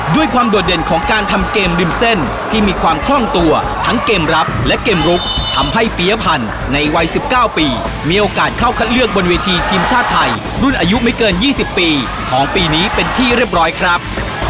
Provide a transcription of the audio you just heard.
ด้วยความโดดเด่นของการทำเกมริมเส้นที่มีความคล่องตัวทั้งเกมรับและเกมลุกทำให้ปียพันธ์ในวัย๑๙ปีมีโอกาสเข้าคัดเลือกบนเวทีทีมชาติไทยรุ่นอายุไม่เกิน๒๐ปีของปีนี้เป็นที่เรียบร้อยครับ